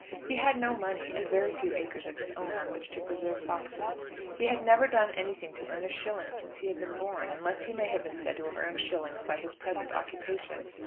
He had no money, and very few acres of his own on which to preserve foxes. He had never done anything to earn a shilling since he had been born, unless he may have been said to have earned shillings by his present occupation.